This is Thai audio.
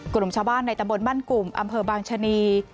กลุ่มชาวบ้านในตะบนบ้านกลุ่มอำเภอบางชะนี